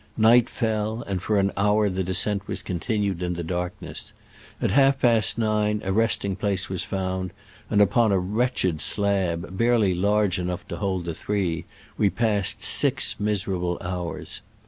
Night fell, and for an hour the descent was continued in the darkness. At half past nine a rest MONSIBUK ALEX. SBILBR. ing place was found, and upon a wretch ed slab, barely large enough to hold the three, we passed six miserable hours.